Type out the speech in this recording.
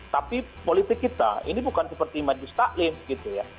tapi politik kita ini bukan seperti maju staklim gitu ya